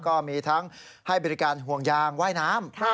ก็มีทั้งให้บริการห่วงยางว่ายน้ำ